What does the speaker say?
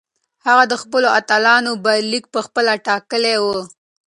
هغه د خپلو اتلانو برخلیک پخپله ټاکلی و.